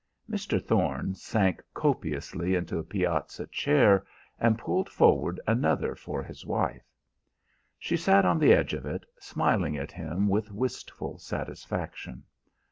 Mr. Thorne sank copiously into a piazza chair, and pulled forward another for his wife. She sat on the edge of it, smiling at him with wistful satisfaction.